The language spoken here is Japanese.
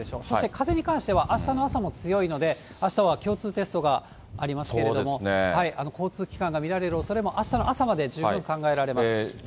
そして風に関しては、あしたの朝も強いので、あしたは共通テストがありますけども、交通機関の乱れるおそれも、あしたの朝まで十分考えられます。